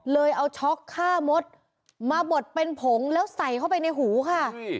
เลยเอาช็อกฆ่ามดมาบดเป็นผงแล้วใส่เข้าไปในหูค่ะ